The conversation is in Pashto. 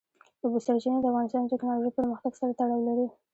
د اوبو سرچینې د افغانستان د تکنالوژۍ پرمختګ سره تړاو لري.